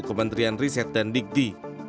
kementerian riset dan digdi